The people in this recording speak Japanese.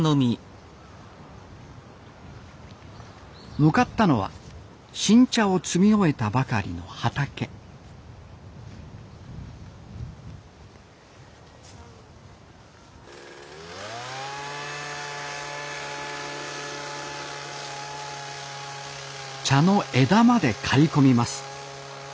向かったのは新茶を摘み終えたばかりの畑茶の枝まで刈り込みます。